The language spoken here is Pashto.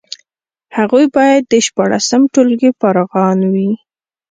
هغوی باید د شپاړسم ټولګي فارغان وي.